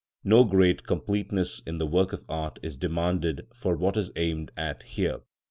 No great completeness in the work of art is demanded for what is aimed at here.